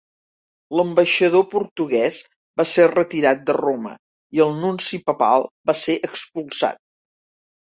L’ambaixador portuguès va ser retirat de Roma i el nunci papal va ser expulsat.